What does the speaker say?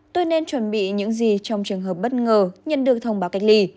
tôi nên chuẩn bị những gì trong trường hợp bất ngờ nhận được thông báo cách ly